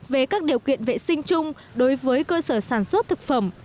về các điều kiện vệ sinh chung đối với cơ sở sản xuất thực phẩm